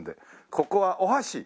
ここはお箸？